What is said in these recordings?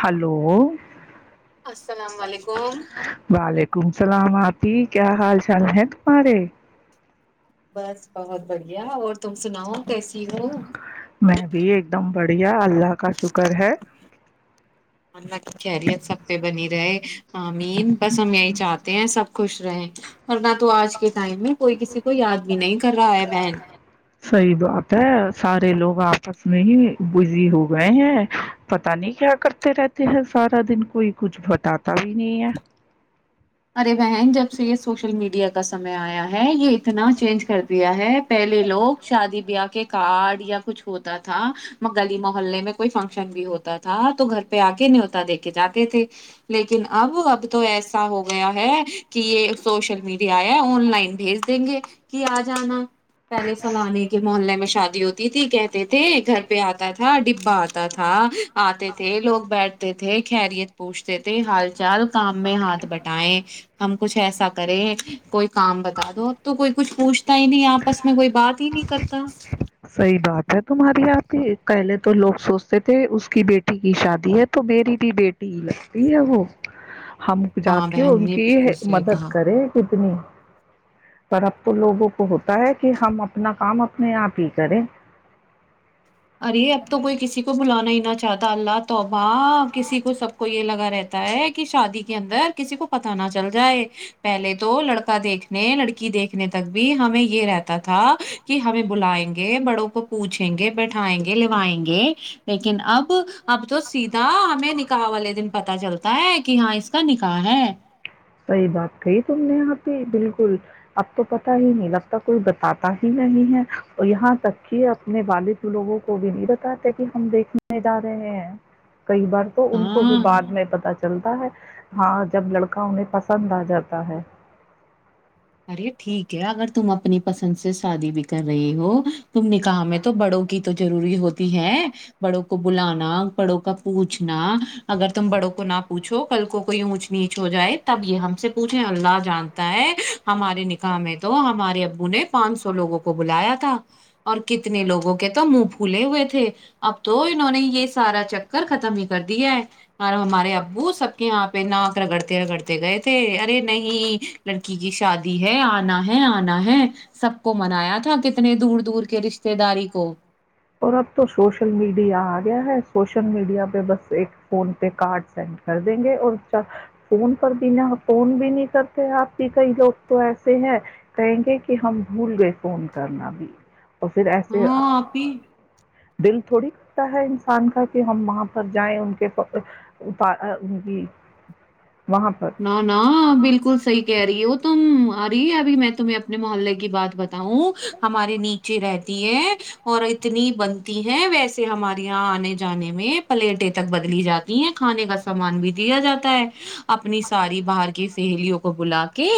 hello السلام علیکم وعلیکم السلامح جی کیا حال چال ہے تمہارے بس بہت بڑھیا اور تم سناؤ کیسی ہو میں بھی ایک دم بڑھیا اللہ کا شکر ہے اللہ کی خریت سب پہ بنی رہے امین بس ہم یہی چاہتے ہیں سب خوش رہے اور بات تو آج کے ٹائم میں کوئی کسی کو یاد بھی نہیں کر رہا ہے بہن صحیح بات ہے سارے لوگ آپس میں ہی بزی ہو گئے ہیں پت نہیں کیا کرتے رہتے ہیں سارا دن کوئی کچھ بتاتا بھی نہیں ہے ارے بہن جب سے یہ سوشل میڈیا کا سمے آیا ہے یہ نا چینج کر دیا ہے پہلے لوگ شادی پہ کے کارڈ یا کچھ ہوتا تھا گلی محلے میں کوئی فنکشن بھی ہوتا تھا تو گھر پہ آ کے نہیں ہوتا دیکھ جاتے تھے لیکن اب اب تو ایسا ہوگا گیا ہے کہ یہ سوشل میڈیا ہے آن لائن بھیج دیں گے کہ آ جانا پہلے فلانے کے محلے میں شاد ہوتی تھی کہتے تھے گھر پہ آتا تھا ڈبا آتا تھا آتے تھے لوگ بیٹھ تھے خریت پوچھتے تھے حال چال کام میں ہاتھ بیٹھ ہم کچھ ایسا کریں کوئی کام بتا دو تو کوئی کچھ پوچھ نہیں آپس میں کوئی بات ہی نہیں کرتا صحیح بات ہے تمہاری پہلے تو لوگ سوچتے تھے اس کی بیٹی کی شادی ہے تو میری بھی بیٹی ہی لگتی ہے وہ ہم جا ہاں کے بہن ان نے کی بالکل صحیح مدد کہا کرے کتنی پر اب تو لوگوں کو ہوتا ہے کہ ہم اپنا کام اپنے آپ ہی کریں ارے اب تو کوئی کسی کو بلانا ہی نہ ا چاہتا اللہ توباہ کسی کو سب کو یہ لگا رہتا ہے کہ شادی کے اندر کسی کو پت نہ چل جائے پہلے تو لڑکا دیکھنے لڑکی دیکھنے تک بھی ہمیں یہ رہتا تھا کہ ہمیں بلائیں گے بڑوں کو پوچھیں گے بیھ اھیں گے لوائیں گے لیکن اب اب تو سیدھا ہمیں نکاح والے دن پتا چلتا ہے کہ ہاں اس کا نکاح ہے صحیح بات کہی تم نے یہاں پ بھی بالکل اب تو پت ہی نہیں لگتا کوئی بتاتا ہی نہیں ہے اور یہاں تک کہ اپنے والد لوگوں کو بھی نہیں بتاتے کہ ہم دیکھنے جا رہے ہیں کئی بار تو ان کو ہاں بھی بعد میں پتا چلتا ہے ہاں جب لڑکا ہو نے پسند آ جاتا ہے ارے ٹھیک ہے اگر تم اپنی پسند سے شادی بھی کر رہی ہو تم نے کہا ہم تو بڑوں کی تو ضروری ہوتی ہے بڑوں کو بلانا بڑوں کا پوچھنا اگر تم بڑوں کو نہ پوچھو کل کو کوئی اونچ نیچ ہو جائے تب یہ ہم سے پوچھے اللہ جانتا ہے ہمارے نکاح میں تو ہمارے ابو نے پانچ سو لوگوں کو بلایا تھا اور کتنے لوگوں کے تھا منہ پھولے ہوئے تھے اب تو انہوں نے یہ سارا چکر ختم ہی کر دیا ہے اور ہمارے ابو سب کے ہاں پہ ناک رگڑتے رگڑتے گئے تھے ارے نہیں لڑکی ج شادی ہے آنا ہے آنا ہے سب کو منایا تھا کتنے دور دور کے رشتے داری کو اور اب تو سوشل میڈیا اگیا ہے سوشل میڈیا پہ بس ایک فون پہ کاٹ سیٹ کر دیں گے اور اس کا فون پر بھی نہ خون بھی نہیں کرتے اپ کی صحیح لوگ تو ایسے ہیں کہیں گے کہ ہم بھول گئے فون کرنا بھی اور پھر ایسے آ، ہاں آپی دل تھوڑی کرتا ہے انسان کا کہ ہم وہاں پر جائیں ان کے ان کی وہاں پر نہ نہ بالکل صحی کہہ رہی ہے وہ تم ارے ابھی میں تمہیں اپنے محلے کی ب ہوں ہمارے ن اچ رہتی ہے اور اتنی بنتی ہے ویسے ہمارے یہاں آنے جانے میں پلیٹیں تک بدلی جاتی ہیں کھانے کا سامان بھی دیا جاتا ہے اپنی ساری باہر کی سہیلیوں کو بلا کے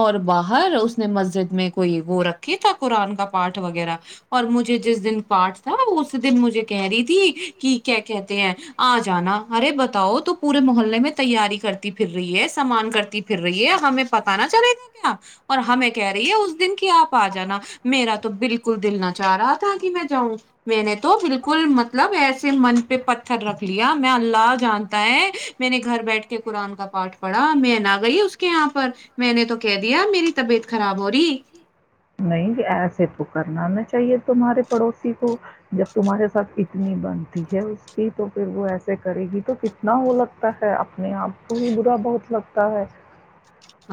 اور باہر اس نے مسجد میں کوئی وہ رکھھی تھا قرآن کا اپنی ساری بہار کی سہیلیوں کو بلا کے اور باہر اس نے مسجد میں کوئی وہپاٹ وغیرہ اور مجھے جس دن پاٹ تھا اس دن مجھے کہہ رہی تھی کہ کیا کہتے ہیں آ جانا ارے بتاؤ تو پورے محلے میں تیاری کر سامان کرتی پھر رہی ہے ہمیں پتہ نہ چلے گا کہ اپ اور ہمیں کہہ رہی ہے اس دن کی اپ ا جانا میرا تو بالکل دل نہ چاہ رہا تھا کہ میں جاؤں میں نے تو بالکل مطلب ایسے من پہ پتھر رکھ لیا میں اللہ جانتا ہے میں نے گھر بیٹھ کے کا پارٹ پڑا میں نہ گئی اس کے یہاں پر میں نے تو کہہ دیا میری طبیعت خراب ہو رہی نہیں کہ ایسے تو کرنا نہ چاہیے تمہارے پڑوسی کو جب تمہارے ساتھ اتنی بنتی ہے اس کی تو پھر وہ ایسے کرے گی تو کتنا وہ لگتا ہے اپنے آپ کو ہی برا بہت لگتا ہے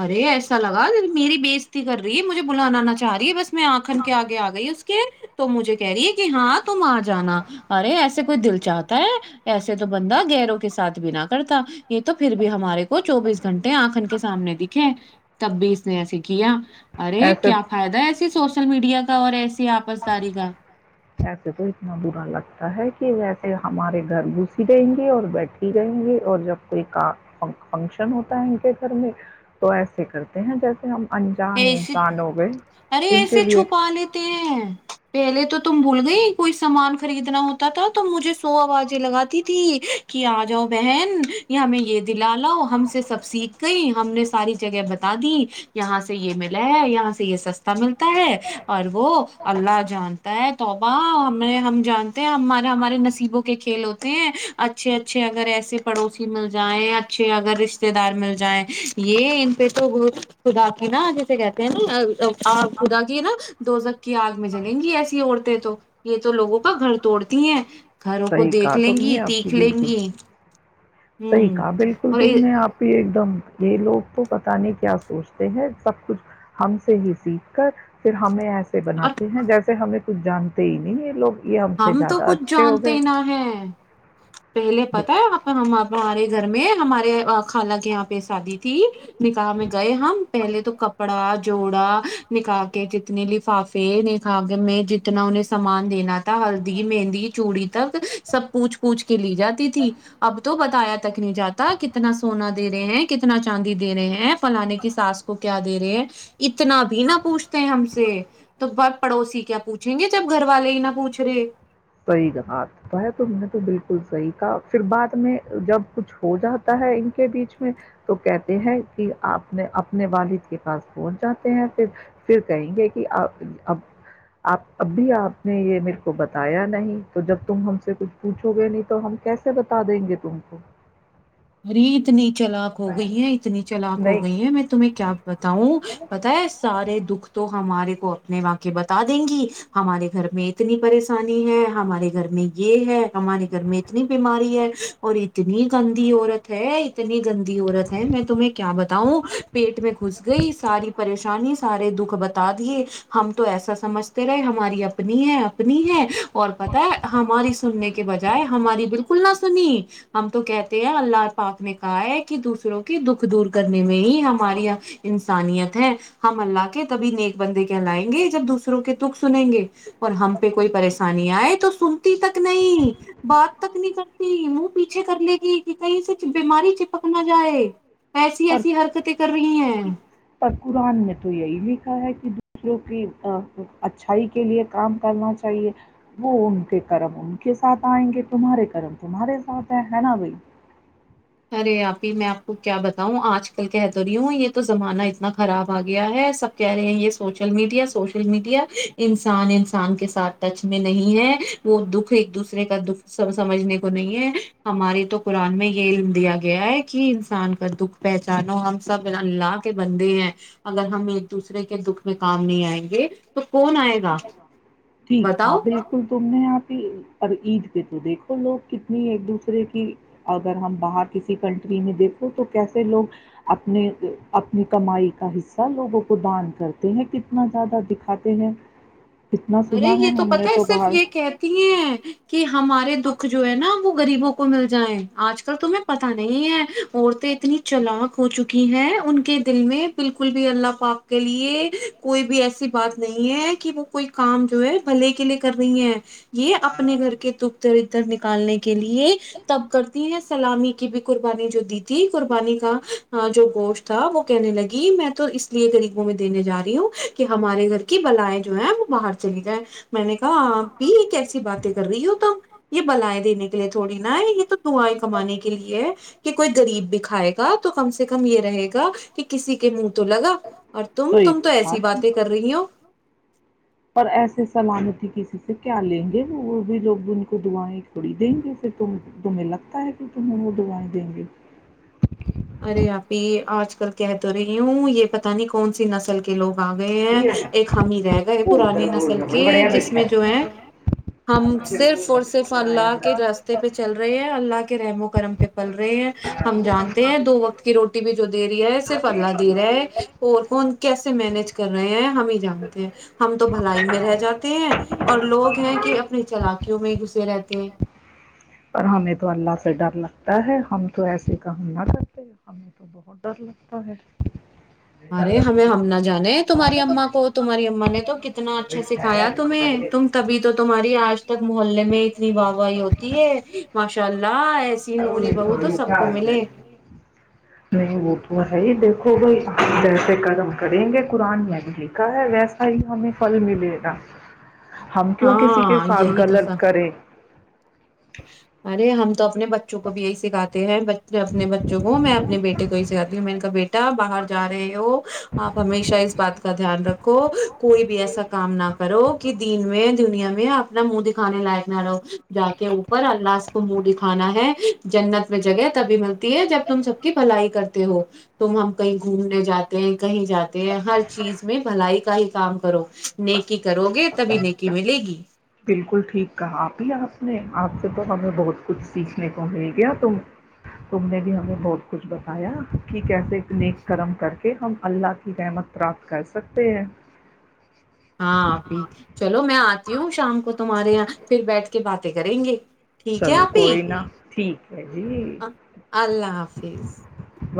ارے ایسا لگا میری بےزتی کر رہی ہے مجھے بلانا نہ چاہ رہی ہے بس میں آنکھن کے آگے [inaudible] تم آ جانا ارے ایسے تو کو دل چاہتا ہے ایسے تو بندہ گہرو کے ساتھ بنا کرتا یہ تو پھر بھی ہمارے کو چوبیس گھنٹے آنکھن کے سامنے تب بھی اس نے ایے کیا ارے ایسے کیا فائدہ ہے ایسی سوچ سول میڈیا کا اور ایسی آپسداری کا ایسے تو اتنا برا لگتا ہے کہ ویسے ہمارے گھر گھس رہیں گے اور بیٹھی رہیں گے اور جب کوئی فنکشن ہوتا ہے ان کے گھر میں تو ایسے کرتے ہیں جیسے ہم انجان ایسے انسان ہو گئے ارے ان کے ایسے لیے چھپا لیتے ہیں پہلے تو تم بھول گئی کوئی سامان خریدنا ہوتا تھا تو مجھے سو آوازیں لگاتی تھی کہ آ جاؤ بہن ہمیں یہ دلا لاؤ ہم سے سب سیکھ گئی ہم نے ساری جگہ بتا دی یہاں سے یہ م یہاں سے یہ سستا ملتا ہے اور وہ اللہ جانتا ہے توبا ہمیں ہم جانتے ہمارے ہمارے نصیبوں کے کھیل ہوتے ہیں اچھے اچھے اگر ایسے پڑوسی مل جائیں اچھے اگر رشتے دار مل جائیں یہ ان پہ تو خدا [unintelligible] نا جیسے کہتے ہیں ناپ خدا کی نا دوزک کی آگ میں جلیں گی ایسی عورتیں تو یہ تو لوگوں کا گھر توڑتی ہیں گھروں کو صحیح کہا دیکھ لیں تم گی نے آپ کی تیکھ لیں بالکل گی صحیح ہوں کہ بالکل اور تم نے آپ ہی ایک یہ لوگ تو پت نہیں کیا سوچتے ہیں سب کچھ ہم سے ہی سیکھ کر پھر ہمیں ایسے سے اور بناتی ہیں جیسے ہمیں [inaudible] ک جانتے ہی نہیں یہ لگ [unintelligible] ہم تو کچھ جانتے ہی نہ ہے پہلے بال- پتا ہے آ پ ہمارے گھر میں ہمارے خانہ کے یہاں پہ شادی تھی ن کہا میں گئے ہم [inaudible] پہلے تو کپڑا جوڑا نکھا کے جتنے لفافے نکھا میں جتنا انہیں سامان دینا تھا ہلدی مہندی چوڑی تک سب پوچھ پوچھ کے لیے جاتی تھی اب تو بتایا تھا [inaudible] نہیں جاتا کتنا سونا دے رہے ہیں کتنا چاندی دے رہے ہیں فلانے کی ساس کو کیا دے رہے ہیں اتنا بھی نہ پوچھتے ہیں ہم سے تو بات پڑوسی کیا پوچھیں گے جب گھر والے ہی نہ پوچھ ت [inaudible] سعید ہے تم نے تو بالکل صحیح کہا پھر بعد میں جب کچھ ہو جاتا ہے ان کے بیچ میں تو کہتے ہیں جی اپ نے اپنے والد کے پاس پہنچ جاتے ہیں پھر کہیں گے کہ اب اپ ابھی اپ نے یہ میرے کو بتا آیا نہیں تو جب تم ہم سے کچھ پوچھو گے نہیں تو ہم کیسے بتا دیں گے تم کو رریتنی [unintelligible] چلاک ہو گئی ہے اتنی چلاک ہو نہیں گئی ہے میں تمہیں کیا بتاؤ پتا ہے سارے دکھ تو ہمارے اپنے واںقع بتا دیں گی ہمارے گھر میں اتنی پریشانی ہے ہمارے گھر میں یہ ہے ہمارے گھر میں اتنی بیماری ہے اور اتنی عورت ہے اتنی گندی عورت ہے م میں تمہیں کیا بتا ہ پیٹ میں گھس گئی ساری پریشانی سارے دکھ بتا دیے ہم تو ایسا سمجھتے رہے ہماری اپنی ہے اپنی ہے اور پت ہے ہماری سننے کے بجائے ہماری بالکل نہ سنی ہم تو کہتے اللہ پاک نے کہا ہے کہ دوسروں کے دکھ دور کرنے میں ہی ہماری انسانیت ہے ہم اللہ کے تبھی نیک بندے کہلائیں گے جب دوسروں کے دکھ سنیں گے اور ہم پہ کوئی پریشانی آئے تو سنتی تک نہیں بات تک نہیں کرتی منہ پیچھے کر لے گی کہیں سے بیماری چپکنا جائے ایسی پر ایسی حرکتیں کر رہی ہیں روں کی اچھائی کے لئے کام کرنا چاہیے وہ ان کے کرم ان کے ساتھ آئیں گے تمہارے کرم تمہارے ساتھ ہیں ہے نا بھائی ارے آپ ہی میں آپ کو کیا بتاؤں آج کل کہ تو رہی ہوں یہ تو زمانہ اتنا خراب آ گیا ہے سب کہہ رہے ہیں یہ سوشل میڈیا سوشل میڈیا انسان انسان کے ساتھ ٹچ میں نہیں ہے وہ دکھ ایک دوسرے کا دکھ سمجھنے کو نہیں ہے ہمارے تو قرآن میں یہ علم دیا گیا ہے کہ انسان کا دکھ پہچانو ہم سب اللہ کے بندے ہیں اگر ہم ایک دوسرے کے دکھ میں کام نہیں آئیں گے تو کون آئے گا ٹھیک بتاؤ بالکل تم نے آپھی اور عید پہ تو دیکھو لوگ کتنی ایک دوسرے کی اگر ہم باہر کسی کنٹری میں دیکھو تو کیسے لوگ اپنے اپنی کمائی کا حصہ لوگوں کو دان کرتے ہیں کتنا زیادہ دکھاتے ہیں کتنا ارے سنا یہ تو ہم پت نے ہے صرف باہر یہ کہتی ہیں ہیں کہ ہمارے دکھ جو ہے نا وہ غریبوں کو مل جائےیں آج کل تمہیں پتتا نہیں ہے عورتیں اتنی چلاک ہو چکی ہیں ان کے دل میں بالکل بھی اللہ پپ کے لیے کوئی بھی ایسی بات نہیں ہے کہ وہ کوئی کام جو ہے بھلے کے لیے کر رہی ہیں یہ اپنے گھر کے ت ادھر ادھر نکالنے کے لیے تب کرتی ہیں سلامی کی بھی قربانی جو دی تھی قربانی کا جو گوشت تھا وہ کہنے لگی میں تو اس لیے غریبوں میں دینے جا رہی ہوں کہ ہمارے گھر کی بلائیں جو ہے باہر چلی جائ میں نے کہا آپ بھی یہ کیسی باتیں کر رہی ہو تو یہ بلائےیں دینے کے لیے تھوڑی نا یہ تو دعائیں کمانے کے لیے ہے کہ کوئی غریب بکھائے گا تو کم سے کم یہ رہے گا کہ کسی کے منہ تو لگا اور تم صحیح تم تو ایسی بات ہے باتیں کر رہی ہو اور ایسے سلامتی ہی کسی سے کیا لیں گے وہ وہ بھی لوگ ان کو دعائیں کھڑی دیں گےے تمہیں لگتا ہے پ ت ہم وہ دووائی دیں گے ل کہ تو ہو رہی ہوں یہ پتا نہیں کون سی نسل کے لوگ آ گئے ہیں ایک ہم ہی رہ گئے پرانی نسل کے جس میں جو ہے ہم صرف اور صرف اللہ کے راستے پہ چل رہے ہیں اللہ کے رحم و کرم پہ پل رہے ہیں ہم جانتے ہیں دو وقت کی روٹی بھی جو دے رہی ہے صرف اللہ دے رہا ہے اور فون کیسے مینج کر رہ رہے ہیں ہم ہی جانتے ہیں ہم تو بھلائی میں رہ جاتے ہیں اور لوگ ہیں کہ اپنے چلاکیوں میں ہی گھسے رہتے ہیں پر ہمیں تو اللہ سے ڈر لگتا ہے ہم تو ایسے کام نہ کرتے ہمیں تو بہت ڈر لگتا ہے ارے ہمیں ہم نہ جانے تمہاری اما کو تمہاری اما نے تو کتنا اچھا سکھایا تمہیں تم تبھی تو تمہاری آج تک محلے میں اتنی واہ واہی ہوتی ہے ماشاء اللہ ایسی نوری بہو تو سب کو ملے صائی دیکھو بھائی جیسے قدم کریں گے قرن میں بھی لھا ہے ویسا ہی ہمیں پھل ملے گا ہم کیوں کسی کے ہاں ساتھ یہی تو سب غلط کریں ارے ہاں تو اپنے بچوں کو بھی یہی سکھاتے ہیں ب اپنے بچوں کو میں اپنے بیٹے بیے کوئی سکھی ہو میں کا بیٹا باہر ج رہے ہو آپ ہمیشہ اس بات کو کا دھیان رکھو کوئی بھی ایسا کام نہ کرو کہ دین میں دنیا میں اپنا منہ دکھانے لائق نہ رہو جا کے اوپر اللہ کو منہ دکھانا ہے جنت میں جگہ تبھی ملتی ہے جب تم سب کی بھلائی کرتے ہو تم ہم کہیں گھومنے جاتے ہیں کہیں جاتے ہیں ہر چیز میں بھلائی کا ہی کام کرو نیکی کرو گے تبھی نیکی ملے گی بالکل ٹھیک کہا آپ ہی آپ نے آپ سے تو ہمیں بہت کچھ سیکھنے کو مل گیا تم تم نے بھی ہمیں بہت کچھ بتایا کہ کیسے نیک کرم کر کے ہم اللہ کی احمت پراپت کر سکتے ہیں ہاںب چلو میں آتی ہوں شام کو تمہارے یہاں پھر بیٹھ کے باتیں کریں گے ٹھیک ہے چلو آپی کوئی ن ٹھیک ہے جی اللہ حافظ و